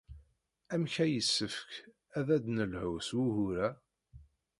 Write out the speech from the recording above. Amek ay yessefk ad d-nelhu s wugur-a?